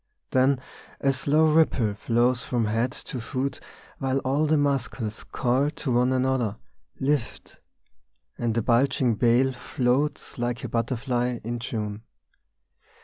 Then a slow ripple flows along the body, While all the muscles call to one another :" Lift !" and the bulging bale Floats like a butterfly in June.